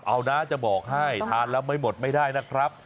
เอานะจะบอกให้ทานแล้วไม่หมดไม่ได้นะครับ